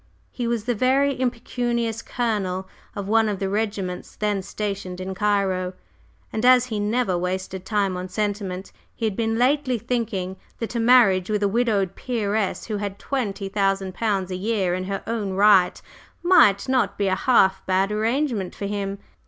He was the very impecunious colonel of one of the regiments then stationed in Cairo, and as he never wasted time on sentiment, he had been lately thinking that a marriage with a widowed peeress who had twenty thousand pounds a year in her own right might not be a "half bad" arrangement for him.